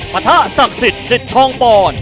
ปะทะศักดิ์ศิษย์ศิษย์ทองปอนด์